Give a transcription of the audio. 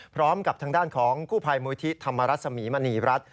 พร้อมกับทางด้านของคู่ภัยมูธิธรรมรัษมีมมรัฐ